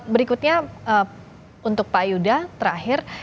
berikutnya untuk pak yuda terakhir